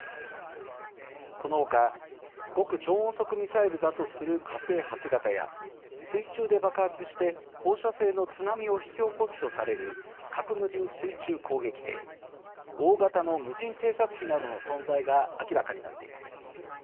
この他極超音速ミサイルだとする火星８型や水中で爆発して放射性の津波を引き起こすとされる核無人水中攻撃艇大型の無人偵察機などの存在が明らかになっています。